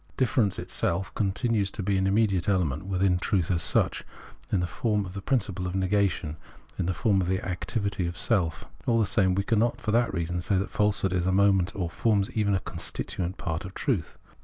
Difference itself continues to be an immediate element within truth as such, in the form of the principle of negation, in the form of the activity of Self. All the same, we cannot for that reason say that falsehood is a moment or forms even a constituent part of truth.